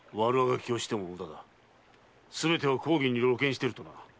すべては公儀に露見しておる。